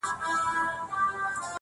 بُت خانه به مي د زړه لکه حرم کا,